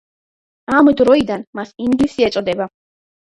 ამ დროიდან მას ინგლისი ეწოდება.